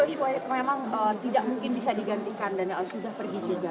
apalagi memang tidak mungkin bisa digantikan dan sudah pergi juga